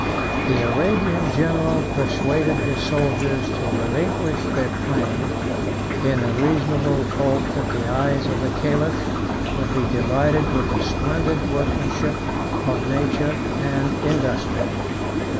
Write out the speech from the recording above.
251 The Arabian general persuaded his soldiers to relinquish their claim, in the reasonable hope that the eyes of the caliph would be delighted with the splendid workmanship of nature and industry.